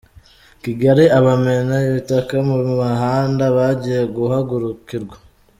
Kigali Abamena ibitaka mu mihanda bagiye guhagurukirwa